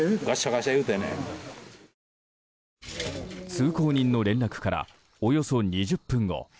通行人の連絡からおよそ２０分後。